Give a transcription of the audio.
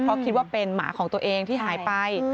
เพราะคิดว่าเป็นหมาของตัวเองที่หายไป